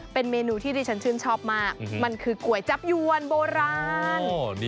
เป็นเมนูที่ที่ฉันชื่นชอบมากมันคือก๋วยจับยวนโบราณ